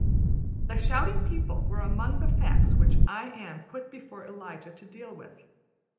The shouting people were among the facts which ``I Am'' put before Elijah to deal with.